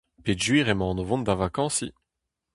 Peogwir emaon o vont da vakañsiñ.